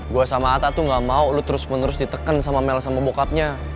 gue sama atta tuh gak mau lu terus menerus diteken sama mel sama bokapnya